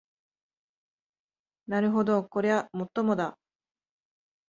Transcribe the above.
なるほどこりゃもっともだ